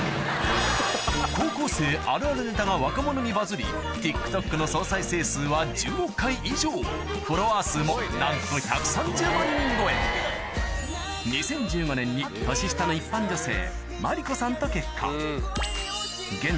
高校生あるあるネタが若者にバズりＴｉｋＴｏｋの総再生数は１０億回以上フォロワー数もなんと１３０万人超え年下の一般女性